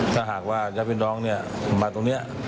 ถ้าหากว่ายาวนิ้วน่องมาตรงนี้